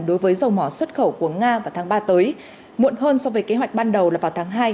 đối với dầu mỏ xuất khẩu của nga vào tháng ba tới muộn hơn so với kế hoạch ban đầu là vào tháng hai